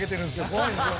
怖いんですよ